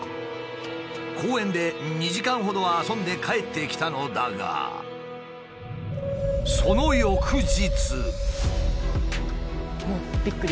公園で２時間ほど遊んで帰ってきたのだがその翌日。